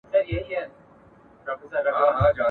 يو څه وايي وماته